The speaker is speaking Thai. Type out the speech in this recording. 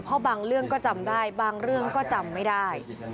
เพราะบางเรื่องก็จำได้บางเรื่องก็จำไม่ได้